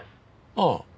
ああ。